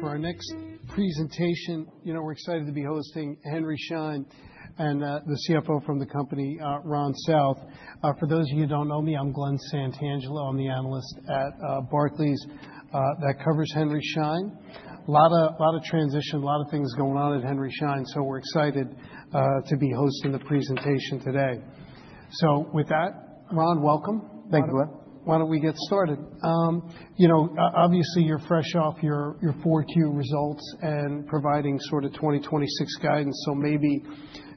For our next presentation, you know, we're excited to be hosting Henry Schein and the CFO from the company, Ron South. For those of you who don't know me, I'm Glen Santangelo. I'm the analyst at Barclays that covers Henry Schein. Lot of transition, a lot of things going on at Henry Schein, so we're excited to be hosting the presentation today. With that, Ron, welcome. Thank you, Glen. Why don't we get started? You know, obviously you're fresh off your 4Q results and providing sort of 2026 guidance, so maybe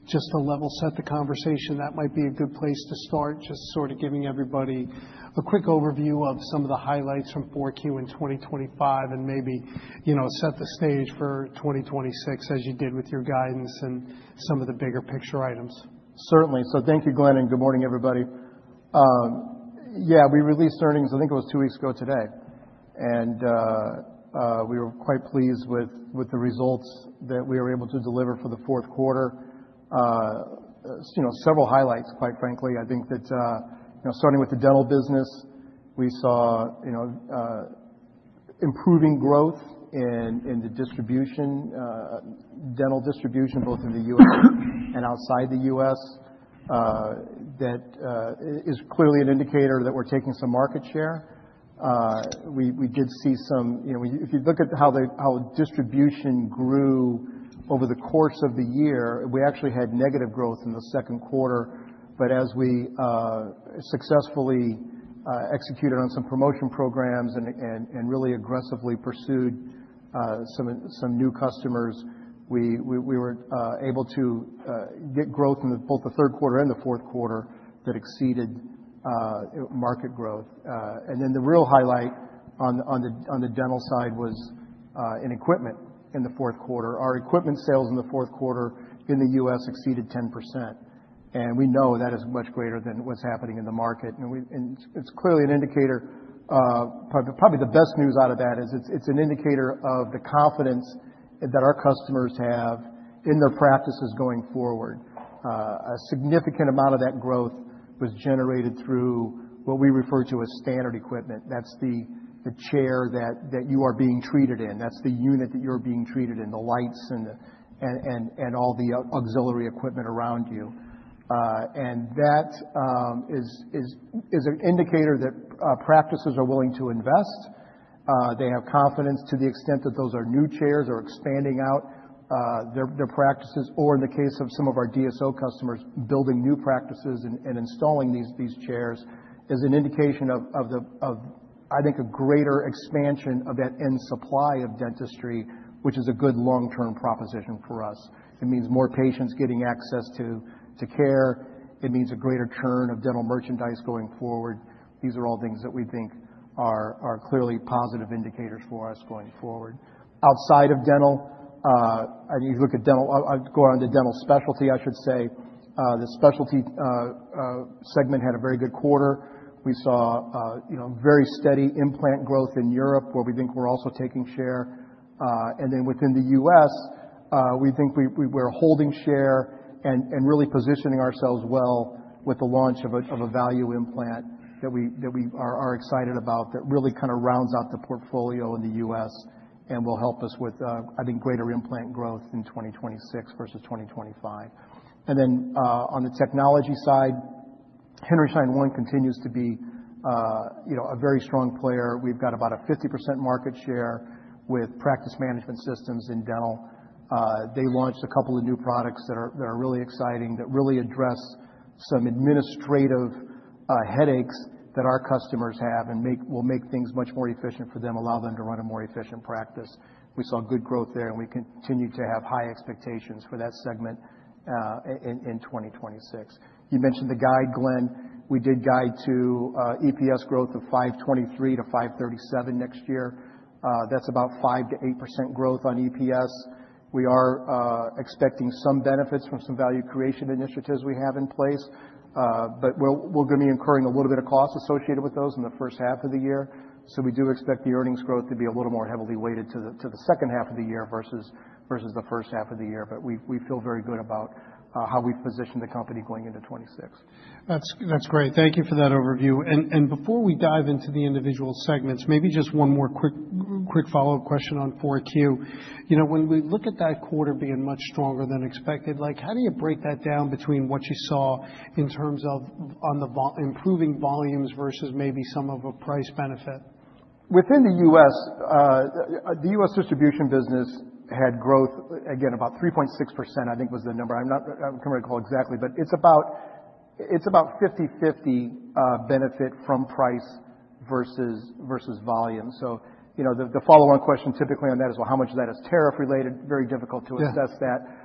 just to level set the conversation, that might be a good place to start, just sort of giving everybody a quick overview of some of the highlights from 4Q in 2025 and maybe, you know, set the stage for 2026 as you did with your guidance and some of the bigger picture items. Certainly. Thank you, Glen, and good morning, everybody. Yeah, we released earnings, I think it was two weeks ago today. We were quite pleased with the results that we were able to deliver for the fourth quarter. You know, several highlights, quite frankly. I think that you know, starting with the dental business, we saw you know, improving growth in the distribution dental distribution, both in the U.S. and outside the U.S., that is clearly an indicator that we're taking some market share. We did see some. You know, if you look at how distribution grew over the course of the year, we actually had negative growth in the second quarter. As we successfully executed on some promotion programs and really aggressively pursued some new customers, we were able to get growth in both the third quarter and the fourth quarter that exceeded market growth. And then the real highlight on the dental side was in equipment in the fourth quarter. Our equipment sales in the fourth quarter in the U.S. exceeded 10%, and we know that is much greater than what's happening in the market. And it's clearly an indicator, probably the best news out of that is it's an indicator of the confidence that our customers have in their practices going forward. A significant amount of that growth was generated through what we refer to as standard equipment. That's the chair that you are being treated in. That's the unit that you're being treated in, the lights and all the auxiliary equipment around you. That is an indicator that practices are willing to invest. They have confidence to the extent that those are new chairs or expanding out their practices, or in the case of some of our DSO customers, building new practices and installing these chairs, is an indication of the, I think, a greater expansion of that and supply of dentistry, which is a good long-term proposition for us. It means more patients getting access to care. It means a greater churn of dental merchandise going forward. These are all things that we think are clearly positive indicators for us going forward. Outside of dental, if you look at dental, I'll go on to dental specialty, I should say, the specialty segment had a very good quarter. We saw, you know, very steady implant growth in Europe, where we think we're also taking share. Within the U.S., we think we're holding share and really positioning ourselves well with the launch of a value implant that we are excited about that really kind of rounds out the portfolio in the U.S. and will help us with, I think, greater implant growth in 2026 versus 2025. On the technology side, Henry Schein One continues to be, you know, a very strong player. We've got about a 50% market share with practice management systems in dental. They launched a couple of new products that are really exciting that really address some administrative headaches that our customers have and will make things much more efficient for them, allow them to run a more efficient practice. We saw good growth there, and we continue to have high expectations for that segment in 2026. You mentioned the guide, Glen. We did guide to EPS growth of $5.23 to $5.37 next year. That's about 5%-8% growth on EPS. We are expecting some benefits from some value creation initiatives we have in place. But we're gonna be incurring a little bit of cost associated with those in the first half of the year. We do expect the earnings growth to be a little more heavily weighted to the second half of the year versus the first half of the year. We feel very good about how we've positioned the company going into 2026. That's great. Thank you for that overview. Before we dive into the individual segments, maybe just one more quick follow-up question on Q4. You know, when we look at that quarter being much stronger than expected, like, how do you break that down between what you saw in terms of improving volumes versus maybe some of a price benefit? Within the U.S., the U.S. distribution business had growth, again, about 3.6%, I think was the number. I can't recall exactly, but it's about 50/50 benefit from price versus volume. You know, the follow-on question typically on that is, well, how much of that is tariff related. Very difficult to assess that. Yeah.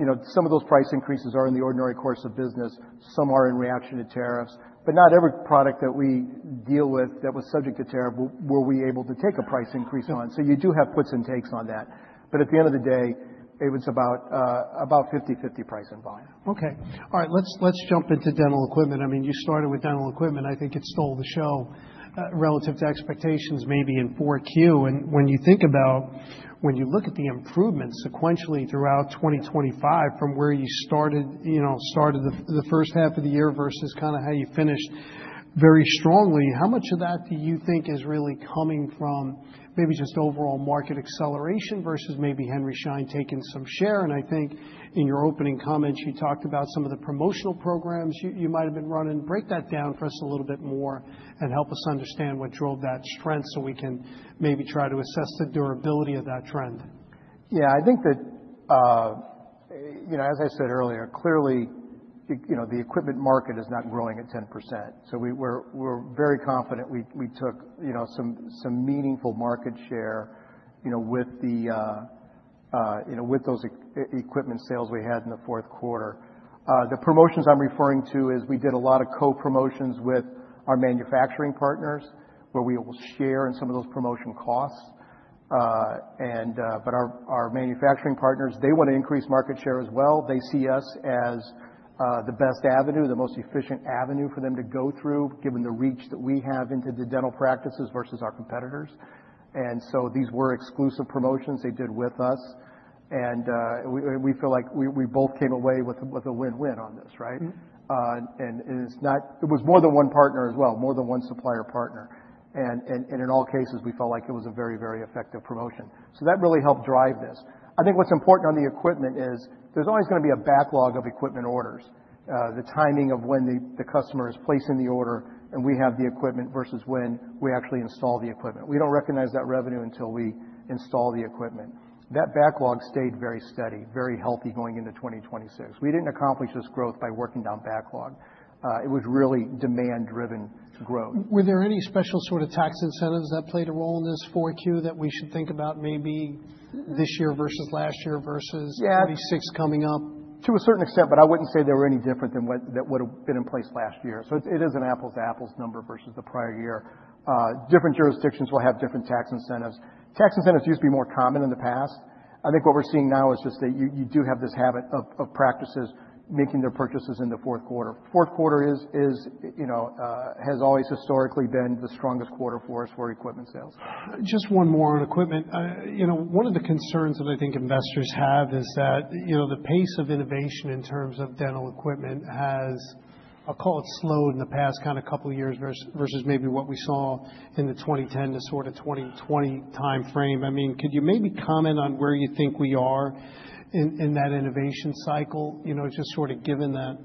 You know, some of those price increases are in the ordinary course of business. Some are in reaction to tariffs. Not every product that we deal with that was subject to tariff were we able to take a price increase on. You do have puts and takes on that. At the end of the day, it was about 50/50 price and volume. Okay. All right. Let's jump into dental equipment. I mean, you started with dental equipment. I think it stole the show relative to expectations maybe in 4Q. When you think about when you look at the improvements sequentially throughout 2025 from where you started, you know, started the first half of the year versus kind of how you finished very strongly. How much of that do you think is really coming from maybe just overall market acceleration versus maybe Henry Schein taking some share? I think in your opening comments, you talked about some of the promotional programs you might have been running. Break that down for us a little bit more and help us understand what drove that strength so we can maybe try to assess the durability of that trend. Yeah. I think that, you know, as I said earlier, clearly, you know, the equipment market is not growing at 10%, so we're very confident we took, you know, some meaningful market share, you know, with those equipment sales we had in the fourth quarter. The promotions I'm referring to is we did a lot of co-promotions with our manufacturing partners, where we will share in some of those promotion costs. But our manufacturing partners, they wanna increase market share as well. They see us as the best avenue, the most efficient avenue for them to go through given the reach that we have into the dental practices versus our competitors. These were exclusive promotions they did with us, and we feel like we both came away with a win-win on this, right? Mm-hmm. It was more than one partner as well, more than one supplier partner. In all cases, we felt like it was a very, very effective promotion. That really helped drive this. I think what's important on the equipment is there's always gonna be a backlog of equipment orders. The timing of when the customer is placing the order and we have the equipment versus when we actually install the equipment. We don't recognize that revenue until we install the equipment. That backlog stayed very steady, very healthy going into 2026. We didn't accomplish this growth by working down backlog. It was really demand-driven growth. Were there any special sort of tax incentives that played a role in this 4Q that we should think about maybe this year versus last year versus? Yeah. 2026 coming up? To a certain extent, but I wouldn't say they were any different than that would've been in place last year. It is an apples to apples number versus the prior year. Different jurisdictions will have different tax incentives. Tax incentives used to be more common in the past. I think what we're seeing now is just that you do have this habit of practices making their purchases in the fourth quarter. Fourth quarter is, you know, has always historically been the strongest quarter for us for equipment sales. Just one more on equipment. You know, one of the concerns that I think investors have is that, you know, the pace of innovation in terms of dental equipment has, I'll call it, slow in the past kinda couple years versus maybe what we saw in the 2010 to sorta 2020 timeframe. I mean, could you maybe comment on where you think we are in that innovation cycle? You know, just sort of given that,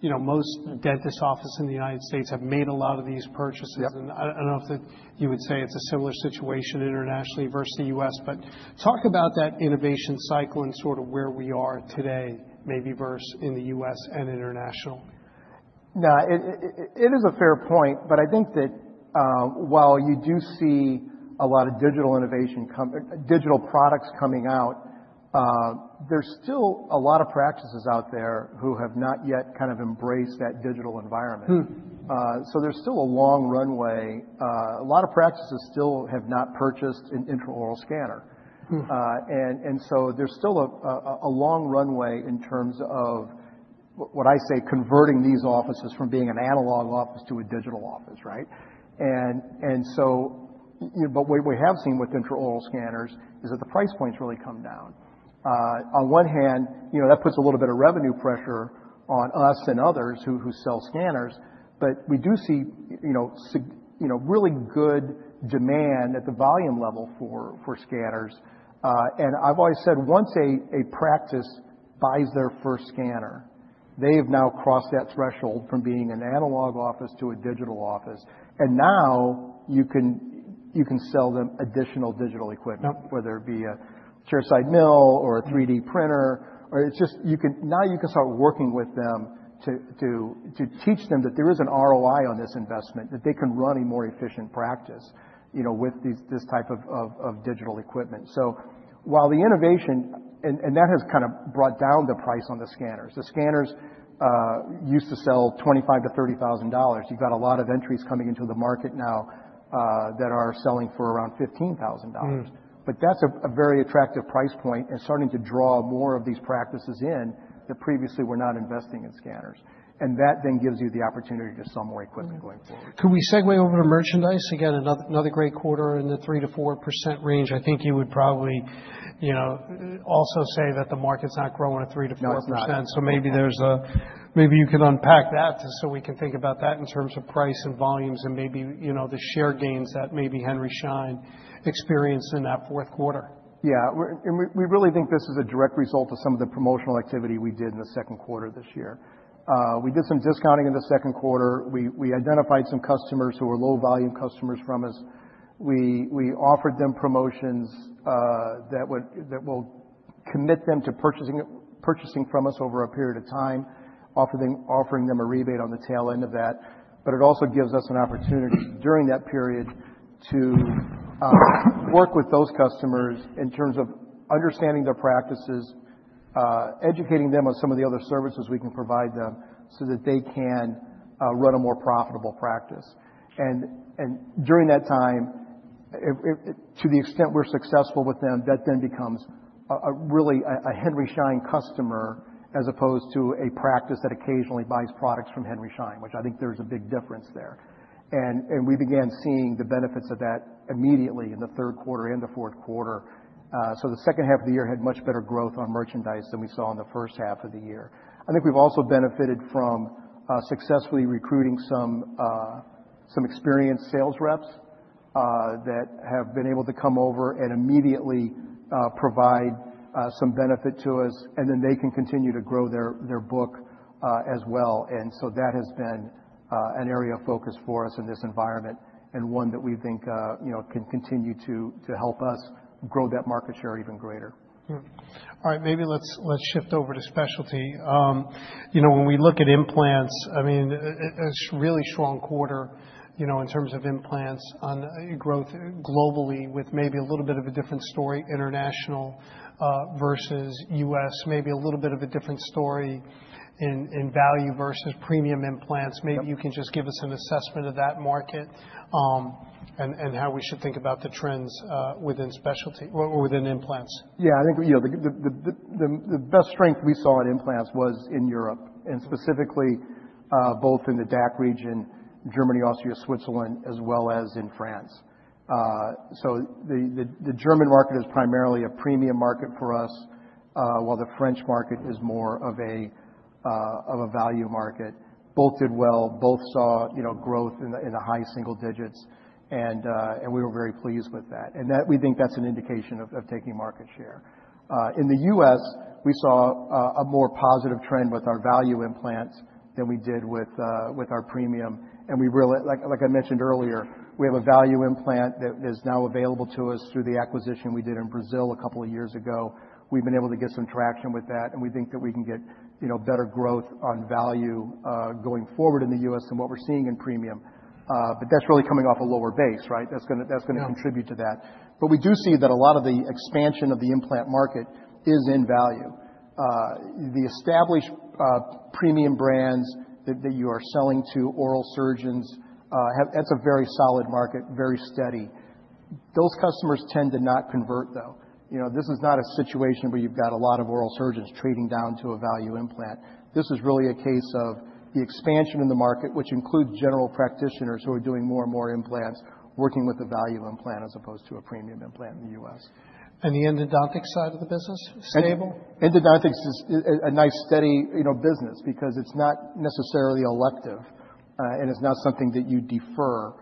you know, most dentist office in the United States have made a lot of these purchases. Yep. I don't know if you would say it's a similar situation internationally versus the U.S., but talk about that innovation cycle and sorta where we are today, maybe versus in the U.S. and international. No. It is a fair point, but I think that while you do see a lot of digital innovation, digital products coming out, there's still a lot of practices out there who have not yet kind of embraced that digital environment. Mm. There's still a long runway. A lot of practices still have not purchased an intraoral scanner. Mm. There's still a long runway in terms of what I say converting these offices from being an analog office to a digital office, right? What we have seen with intraoral scanners is that the price points really come down. On one hand, you know, that puts a little bit of revenue pressure on us and others who sell scanners, but we do see, you know, really good demand at the volume level for scanners. I've always said, once a practice buys their first scanner, they have now crossed that threshold from being an analog office to a digital office. Now you can sell them additional digital equipment. Yep. whether it be a chairside mill or a 3D printer. You can now start working with them to teach them that there is an ROI on this investment, that they can run a more efficient practice, you know, with this type of digital equipment. That has kind of brought down the price on the scanners. The scanners used to sell $25,000 to $30,000. You've got a lot of entrants coming into the market now that are selling for around $15,000. Mm. That's a very attractive price point and starting to draw more of these practices in that previously were not investing in scanners. That then gives you the opportunity to sell more equipment going forward. Can we segue over to merchandise? Again, another great quarter in the 3%-4% range. I think you would probably, you know, also say that the market's not growing at 3%-4%. No, it's not. Maybe you could unpack that just so we can think about that in terms of price and volumes and maybe, you know, the share gains that maybe Henry Schein experienced in that fourth quarter. We really think this is a direct result of some of the promotional activity we did in the second quarter this year. We did some discounting in the second quarter. We identified some customers who were low volume customers from us. We offered them promotions that will commit them to purchasing from us over a period of time, offering them a rebate on the tail end of that. It also gives us an opportunity during that period to work with those customers in terms of understanding their practices, educating them on some of the other services we can provide them so that they can run a more profitable practice. During that time, to the extent we're successful with them, that then becomes a really Henry Schein customer as opposed to a practice that occasionally buys products from Henry Schein, which I think there's a big difference there. We began seeing the benefits of that immediately in the third quarter and the fourth quarter. The second half of the year had much better growth on merchandise than we saw in the first half of the year. I think we've also benefited from successfully recruiting some experienced sales reps that have been able to come over and immediately provide some benefit to us, and then they can continue to grow their book as well. That has been an area of focus for us in this environment and one that we think, you know, can continue to help us grow that market share even greater. All right. Maybe let's shift over to specialty. You know, when we look at implants, I mean, a really strong quarter, you know, in terms of implants and growth globally with maybe a little bit of a different story internationally versus U.S. Maybe a little bit of a different story in value versus premium implants. Yep. Maybe you can just give us an assessment of that market, and how we should think about the trends, within specialty or within implants. Yeah, I think, you know, the best strength we saw in implants was in Europe, and specifically, both in the DAC region, Germany, Austria, Switzerland, as well as in France. So the German market is primarily a premium market for us, while the French market is more of a value market. Both did well, both saw, you know, growth in the high single digits, and we were very pleased with that. That we think that's an indication of taking market share. In the U.S., we saw a more positive trend with our value implants than we did with our premium. Like I mentioned earlier, we have a value implant that is now available to us through the acquisition we did in Brazil a couple of years ago. We've been able to get some traction with that, and we think that we can get, you know, better growth on value going forward in the U.S. than what we're seeing in premium. That's really coming off a lower base, right? That's gonna contribute to that. We do see that a lot of the expansion of the implant market is in value. The established premium brands that you are selling to oral surgeons have. That's a very solid market, very steady. Those customers tend to not convert, though. You know, this is not a situation where you've got a lot of oral surgeons trading down to a value implant. This is really a case of the expansion in the market, which includes general practitioners who are doing more and more implants, working with a value implant as opposed to a premium implant in the U.S. The endodontic side of the business, stable? Endodontic is a nice steady, you know, business because it's not necessarily elective, and it's not something that you defer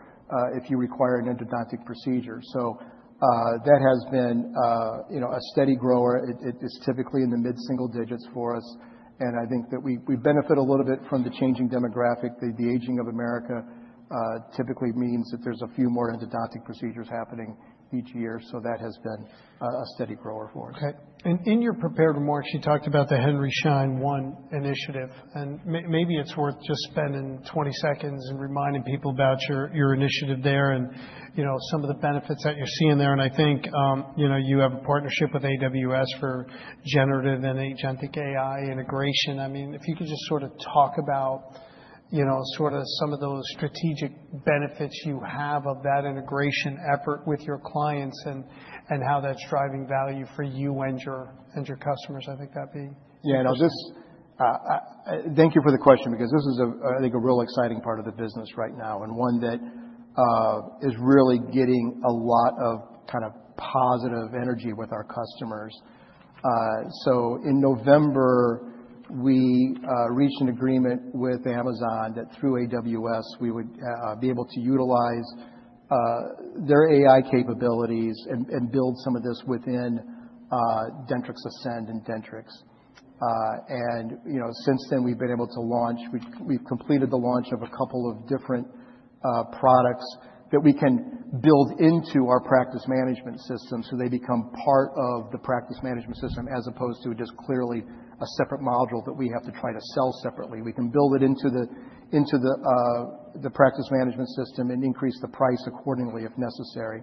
if you require an endodontic procedure. That has been, you know, a steady grower. It is typically in the mid-single digits for us, and I think that we benefit a little bit from the changing demographic. The aging of America typically means that there's a few more endodontic procedures happening each year. That has been a steady grower for us. Okay. In your prepared remarks, you talked about the Henry Schein One initiative, and maybe it's worth just spending 20 seconds and reminding people about your initiative there and, you know, some of the benefits that you're seeing there. I think, you know, you have a partnership with AWS for generative and agentic AI integration. I mean, if you could just sort of talk about, you know, sort of some of those strategic benefits you have of that integration effort with your clients and how that's driving value for you and your customers. I think that'd be interesting. Thank you for the question because this is a, I think, a real exciting part of the business right now and one that is really getting a lot of kind of positive energy with our customers. In November, we reached an agreement with Amazon that through AWS, we would be able to utilize their AI capabilities and build some of this within Dentrix Ascend and Dentrix. And you know, since then, we've been able to launch. We've completed the launch of a couple of different products that we can build into our practice management system so they become part of the practice management system as opposed to just clearly a separate module that we have to try to sell separately. We can build it into the practice management system and increase the price accordingly if necessary.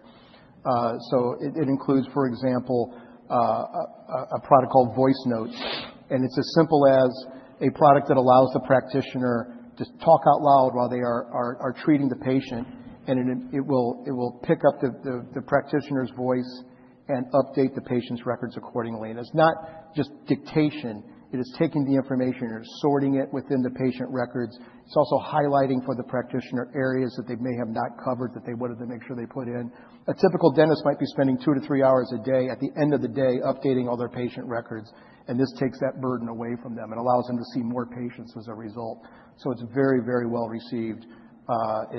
It includes, for example, a product called Voice Notes, and it's as simple as a product that allows the practitioner to talk out loud while they are treating the patient, and it will pick up the practitioner's voice and update the patient's records accordingly. It's not just dictation. It is taking the information and sorting it within the patient records. It's also highlighting for the practitioner areas that they may have not covered that they wanted to make sure they put in. A typical dentist might be spending two-three hours a day at the end of the day updating all their patient records, and this takes that burden away from them and allows them to see more patients as a result. It's very, very well received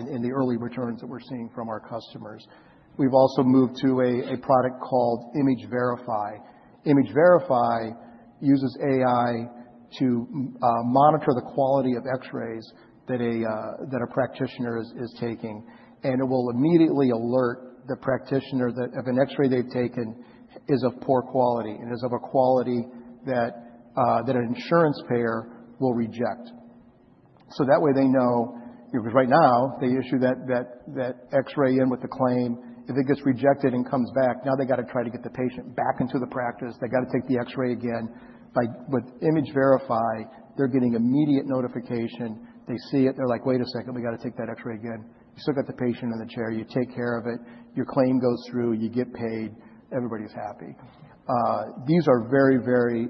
in the early returns that we're seeing from our customers. We've also moved to a product called Image Verify. Image Verify uses AI to monitor the quality of X-rays that a practitioner is taking, and it will immediately alert the practitioner that if an X-ray they've taken is of poor quality and is of a quality that an insurance payer will reject. That way they know, because right now they issue that X-ray in with the claim. If it gets rejected and comes back, now they got to try to get the patient back into the practice. They got to take the X-ray again. But with Image Verify, they're getting immediate notification. They see it, they're like, "Wait a second, we got to take that X-ray again." You still got the patient in the chair, you take care of it, your claim goes through, you get paid, everybody's happy. These are very, very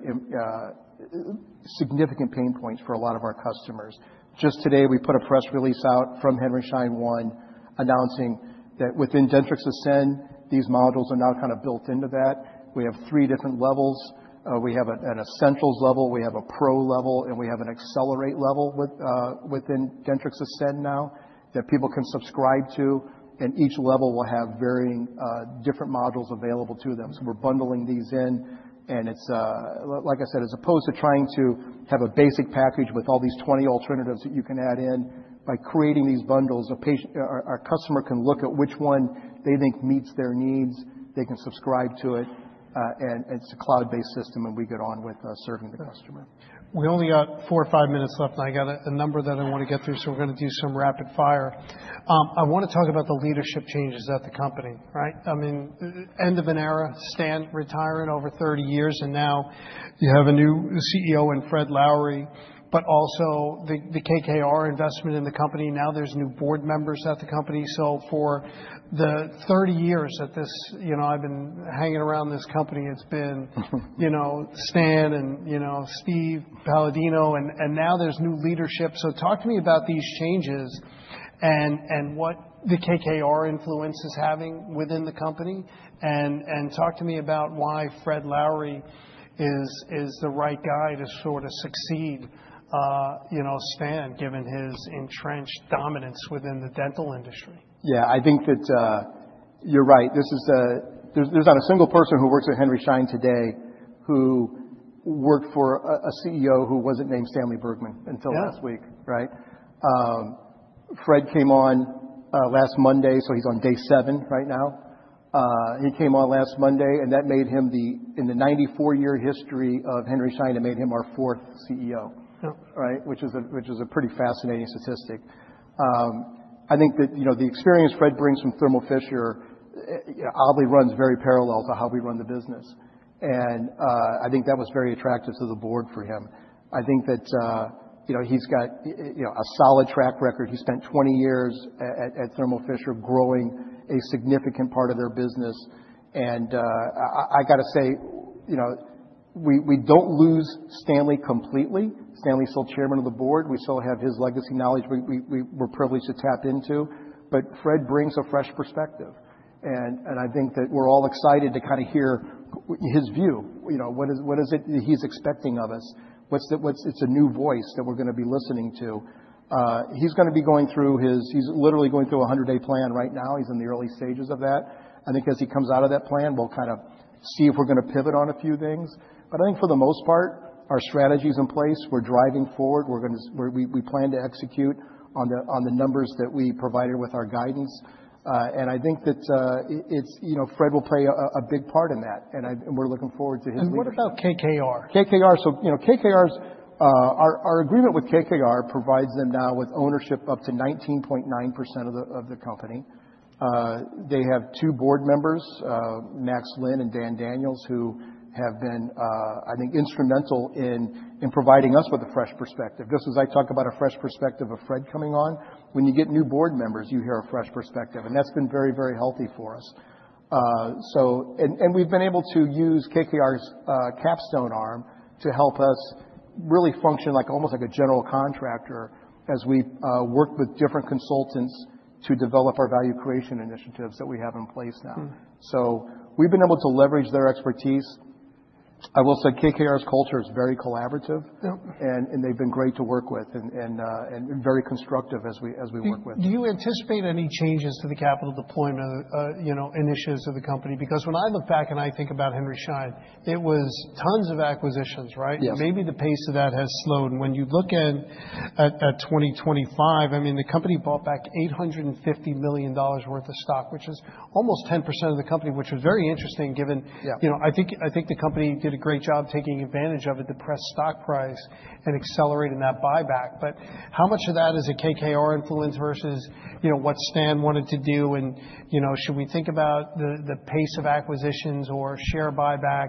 significant pain points for a lot of our customers. Just today, we put a press release out from Henry Schein One announcing that within Dentrix Ascend, these modules are now kind of built into that. We have three different levels. We have an Essentials level, we have a Pro level, and we have an Accelerate level within Dentrix Ascend now that people can subscribe to, and each level will have varying different modules available to them. We're bundling these in and it's, like I said, as opposed to trying to have a basic package with all these 20 alternatives that you can add in, by creating these bundles, our customer can look at which one they think meets their needs. They can subscribe to it, and it's a cloud-based system, and we get on with serving the customer. We only got four or five minutes left, and I got a number that I want to get through, so we're going to do some rapid fire. I want to talk about the leadership changes at the company, right? I mean, end of an era. Stan retiring over 30 years, and now you have a new CEO in Fred Lowery, but also the KKR investment in the company. Now there's new board members at the company. For the 30 years that this—you know, I've been hanging around this company, it's been, you know, Stan and, you know, Steve Paladino, and now there's new leadership. Talk to me about these changes and what the KKR influence is having within the company. Talk to me about why Fred Lowery is the right guy to sort of succeed, you know, Stan, given his entrenched dominance within the dental industry. Yeah, I think that you're right. This is a. There's not a single person who works at Henry Schein today who worked for a CEO who wasn't named Stanley Bergman until last week, right? Fred came on last Monday, so he's on day seven right now. He came on last Monday, and that made him the in the 94-year history of Henry Schein, it made him our fourth CEO. Yep. Right? Which is a pretty fascinating statistic. I think that, you know, the experience Fred brings from Thermo Fisher oddly runs very parallel to how we run the business. I think that was very attractive to the board for him. I think that, you know, he's got, you know, a solid track record. He spent 20 years at Thermo Fisher growing a significant part of their business. I got to say, you know, we don't lose Stanley completely. Stanley's still Chairman of the Board. We still have his legacy knowledge we're privileged to tap into. Fred brings a fresh perspective, and I think that we're all excited to kind of hear his view. You know, what is it he's expecting of us? It's a new voice that we're going to be listening to. He's going to be going through his. He's literally going through a 100-day plan right now. He's in the early stages of that. I think as he comes out of that plan, we'll kind of see if we're going to pivot on a few things. I think for the most part, our strategy is in place. We're driving forward. We're gonna. We plan to execute on the numbers that we provided with our guidance. I think that, you know, Fred will play a big part in that, and we're looking forward to his leadership. What about KKR? KKR, you know, KKR's agreement with KKR provides them now with ownership up to 19.9% of the company. They have two board members, Max Lin and Dan Daniel, who have been, I think instrumental in providing us with a fresh perspective. Just as I talk about a fresh perspective of Fred coming on, when you get new board members, you hear a fresh perspective, and that's been very, very healthy for us. We've been able to use KKR's Capstone arm to help us really function like almost like a general contractor as we work with different consultants to develop our value creation initiatives that we have in place now. Mm-hmm. We've been able to leverage their expertise. I will say KKR's culture is very collaborative. Yep. They've been great to work with and very constructive as we work with them. Do you anticipate any changes to the capital deployment, you know, initiatives of the company? Because when I look back and I think about Henry Schein, it was tons of acquisitions, right? Yes. Maybe the pace of that has slowed. When you look in at 2025, I mean, the company bought back $850 million worth of stock, which is almost 10% of the company, which was very interesting given. Yeah. You know, I think the company did a great job taking advantage of a depressed stock price and accelerating that buyback. How much of that is a KKR influence versus, you know, what Stan wanted to do? You know, should we think about the pace of acquisitions or share buyback,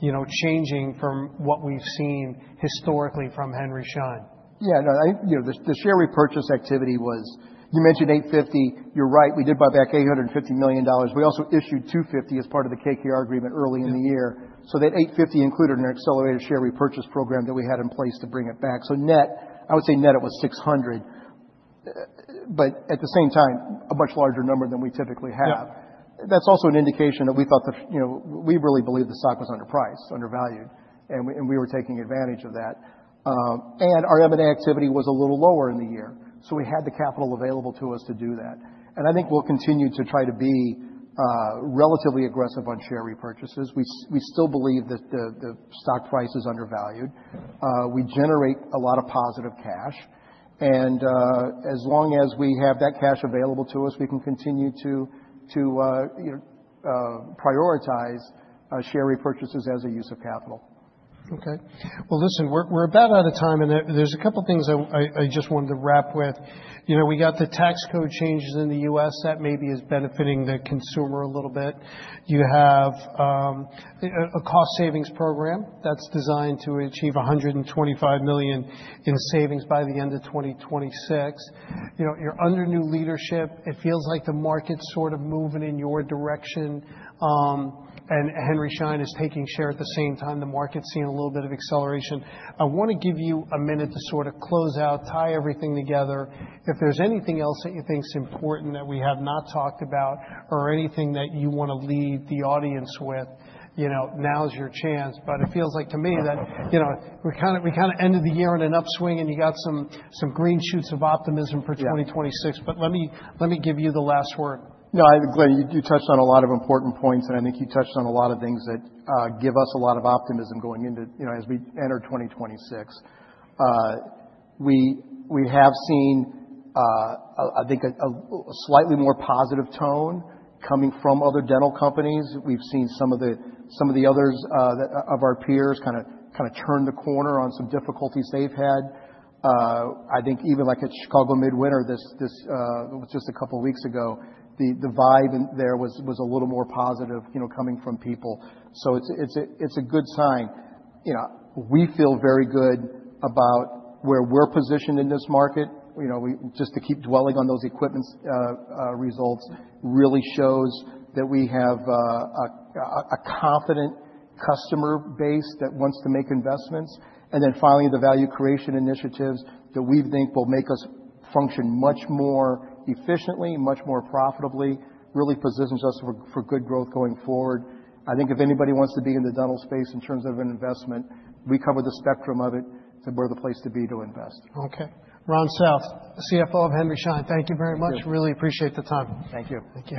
you know, changing from what we've seen historically from Henry Schein? Yeah, no, you know, you mentioned $850. You're right, we did buy back $850 million. We also issued $250 as part of the KKR agreement early in the year. That $850 included an accelerated share repurchase program that we had in place to bring it back. Net, I would say it was $600. At the same time, a much larger number than we typically have. Yeah. That's also an indication that we thought you know, we really believed the stock was underpriced, undervalued, and we were taking advantage of that. Our M&A activity was a little lower in the year, so we had the capital available to us to do that. I think we'll continue to try to be relatively aggressive on share repurchases. We still believe that the stock price is undervalued. We generate a lot of positive cash and, as long as we have that cash available to us, we can continue to you know, prioritize share repurchases as a use of capital. Okay. Well, listen, we're about out of time, and there's a couple things I just wanted to wrap with. You know, we got the tax code changes in the U.S. that maybe is benefiting the consumer a little bit. You have a cost savings program that's designed to achieve $125 million in savings by the end of 2026. You know, you're under new leadership. It feels like the market's sort of moving in your direction. Henry Schein is taking share at the same time the market's seeing a little bit of acceleration. I wanna give you a minute to sort of close out, tie everything together. If there's anything else that you think is important that we have not talked about or anything that you wanna leave the audience with, you know, now is your chance. It feels like to me that, you know, we kinda ended the year in an upswing, and you got some green shoots of optimism for 2026. Let me give you the last word. No, I agree. You touched on a lot of important points, and I think you touched on a lot of things that give us a lot of optimism going into you know, as we enter 2026. We have seen, I think, a slightly more positive tone coming from other dental companies. We've seen some of the others of our peers kinda turn the corner on some difficulties they've had. I think even, like, at Chicago Midwinter, this just a couple weeks ago, the vibe in there was a little more positive, you know, coming from people. It's a good sign. You know, we feel very good about where we're positioned in this market. You know, Just to keep dwelling on those equipment's results really shows that we have a confident customer base that wants to make investments. Then finally, the value creation initiatives that we think will make us function much more efficiently, much more profitably, really positions us for good growth going forward. I think if anybody wants to be in the dental space in terms of an investment, we cover the spectrum of it, so we're the place to be to invest. Okay. Ron South, CFO of Henry Schein, thank you very much. Thank you. Really appreciate the time. Thank you. Thank you.